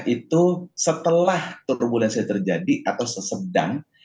itu setelah turbulensi terjadi atau sesedang